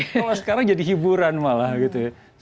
kalau sekarang jadi hiburan malah gitu ya